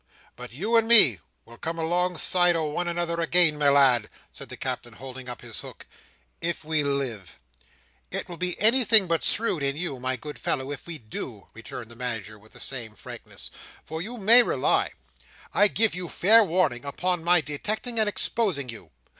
But you and me will come alongside o'one another again, my lad," said the Captain, holding up his hook, "if we live." "It will be anything but shrewd in you, my good fellow, if we do," returned the Manager, with the same frankness; "for you may rely, I give you fair warning, upon my detecting and exposing you.